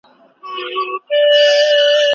هر فرد کولای سي بدلون راولي.